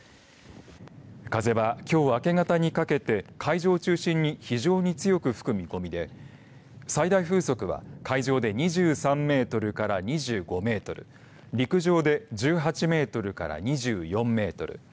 風は、きょう明け方にかけて海上中心に非常に強く吹く見込みで最大風速は海上で２３メートルから２５メートル陸上で１８メートルから２４メートル